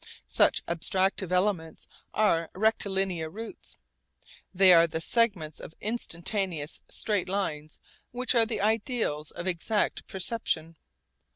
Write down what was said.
Such abstractive elements are rectilinear routes. They are the segments of instantaneous straight lines which are the ideals of exact perception.